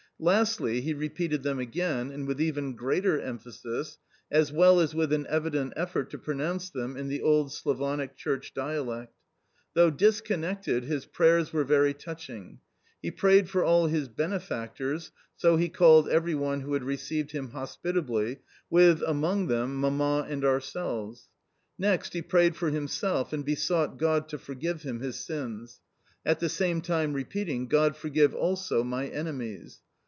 Lastly he repeated them again and with even greater emphasis, as well as with an evident effort to pronounce them in the old Slavonic Church dialect. Though disconnected, his prayers were very touching. He prayed for all his benefactors (so he called every one who had received him hospitably), with, among them, Mamma and ourselves. Next he prayed for himself, and besought God to forgive him his sins, at the same time repeating, "God forgive also my enemies!"